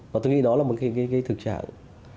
và tôi nghĩ đó là một cái thực trạng